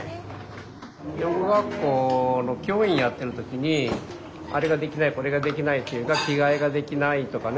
養護学校の教員やってる時にあれができないこれができないというか着替えができないとかね